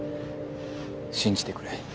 信じてくれ。